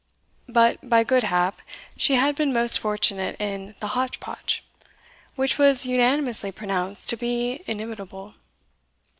But, by good hap, she had been most fortunate in the hotch potch, which was unanimously pronounced to be inimitable.